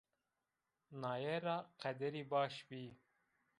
Naye ra qederî baş bî